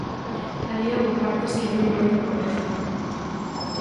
Alí houbo partes que vin moita pobreza.